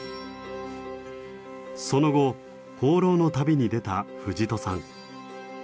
その後放浪の旅に出た藤戸さん。